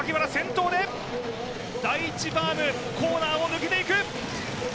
第１コーナーを抜けていく。